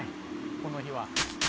この日は。